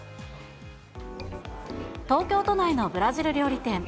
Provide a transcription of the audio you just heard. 東京都内のブラジル料理店。